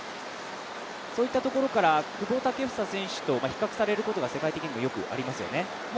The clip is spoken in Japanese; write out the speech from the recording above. そういったところから久保建英選手と比較されることが世界的にもよくありますよね。